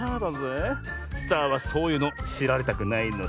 スターはそういうのしられたくないのさ！